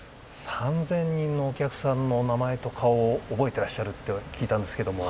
３，０００人のお客さんの名前と顔を覚えてらっしゃると聞いたんですけども。